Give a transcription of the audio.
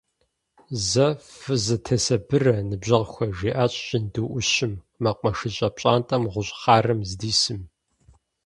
Зэ фызэтесабырэ, ныбжьэгъухэ! – жиӀащ жьынду Ӏущым, мэкъумэшыщӀэ пщӀантӀэм гъущӀ хъарым здисым.